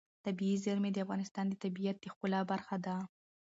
طبیعي زیرمې د افغانستان د طبیعت د ښکلا برخه ده.